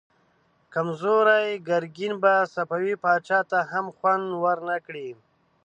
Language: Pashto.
کمزوری ګرګين به صفوي پاچا ته هم خوند ورنه کړي.